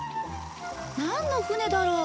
なんの船だろう？